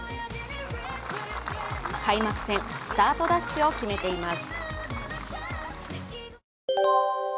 開幕戦スタートダッシュを決めています。